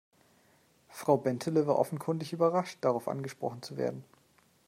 Frau Bentele war offenkundig überrascht, darauf angesprochen zu werden.